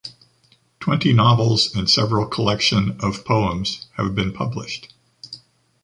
Twenty novels and several collection of poems have been published.